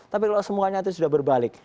tapi kalau semuanya itu sudah berbalik